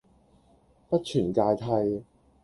不存芥蒂